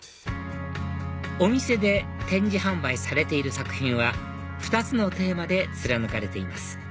お店で展示販売されている作品は２つのテーマで貫かれています